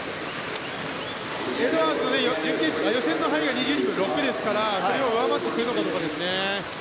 エドワーズ予選の入りが２０秒６ですからそれを上回ってくるかですね。